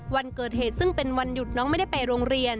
วันเกิดเหตุซึ่งเป็นวันหยุดน้องไม่ได้ไปโรงเรียน